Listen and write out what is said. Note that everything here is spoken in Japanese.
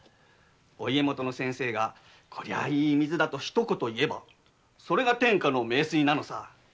お家元の先生が「これはいい水だ」と一言言えばそれが天下の名水なのさ。